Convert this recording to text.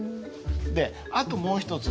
であともう一つ。